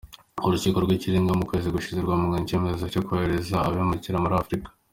Urukiko rw’Ikirenga mu kwezi gushize rwamaganye icyemezo cyo kohereza abimukira muri Afurika.